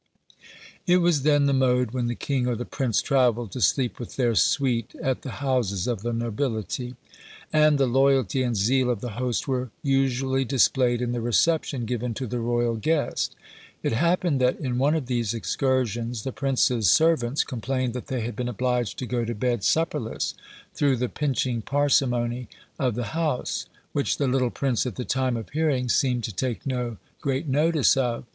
It was then the mode, when the king or the prince travelled, to sleep with their suite at the houses of the nobility; and the loyalty and zeal of the host were usually displayed in the reception given to the royal guest. It happened that in one of these excursions the prince's servants complained that they had been obliged to go to bed supperless, through the pinching parsimony of the house, which the little prince at the time of hearing seemed to take no great notice of.